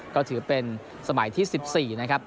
ก็ถือเป็นสมัยที่๑๔นะครับ